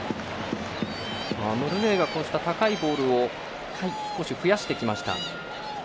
ノルウェーが、高いボールを少し増やしてきました。